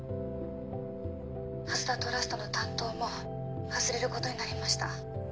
蓮田トラストの担当も外れることになりました。